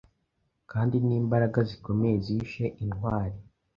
Kandi nimbaraga zikomeye zishe intwari